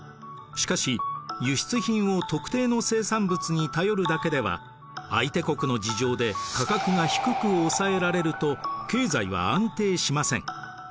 しかし輸出品を特定の生産物に頼るだけでは相手国の事情で価格が低く抑えられると経済は安定しません。